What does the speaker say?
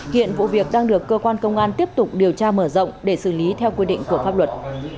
hiện vụ việc đang được cơ quan công an tiếp tục điều tra mở rộng để xử lý theo quy định của pháp luật